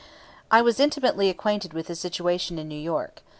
I was intimately acquainted with the situation in New York.